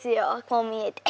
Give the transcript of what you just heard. こう見えて。